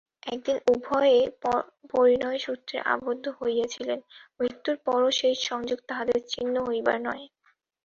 একদিন উভয়ে পরিণয়সূত্রে আবদ্ধ হইয়াছিলেন, মূত্যুর পরও সেই সংযোগ তাঁহাদের ছিন্ন হইবার নয়।